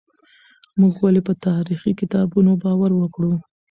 موږ ولې په تاريخي کتابونو باور وکړو؟